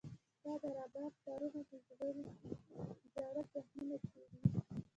ستا د رباب تارونه مې زاړه زخمونه چېړي